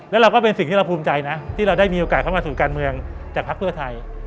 แล้วเราก็เป็นสิ่งที่เราภูมิใจนะที่เราได้มีโอกาสเข้ามาสู่การเมืองจากภักดิ์เพื่อไทย